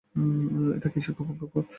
এটা কীসের গোপন কক্ষ?